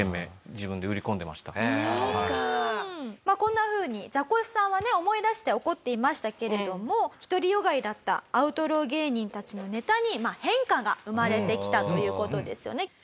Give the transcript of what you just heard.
まあこんなふうにザコシさんはね思い出して怒っていましたけれども独りよがりだったアウトロー芸人たちのネタに変化が生まれてきたという事ですよね。